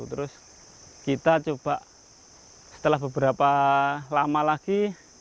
terus kita coba setelah beberapa lama lagi